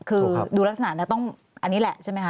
คือดูลักษณะแล้วต้องอันนี้แหละใช่ไหมคะ